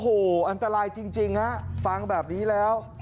โอ้โหอันตรายจริงฮะฟังแบบนี้แล้ว